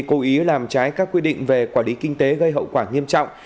cố ý làm trái các quy định về quản lý kinh tế gây hậu quả nghiêm trọng